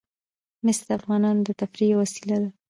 مس د افغانانو د تفریح یوه وسیله ده.